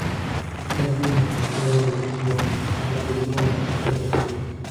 Ian Fleming, el creador de James Bond, contribuyó a la concepción de la serie.